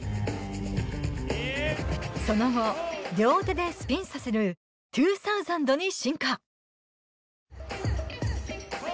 その後、両手でスピンさせる２０００に進化。